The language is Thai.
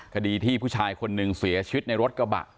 คดีที่ผู้ชายคนหนึ่งเสียชีวิตในรถกระบะ